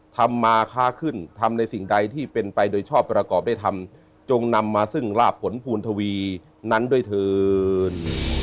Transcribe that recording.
ทำมาค้าขึ้นทำในสิ่งใดที่เป็นไปโดยชอบประกอบได้ทำจงนำมาซึ่งลาบผลภูณทวีนั้นด้วยเถิน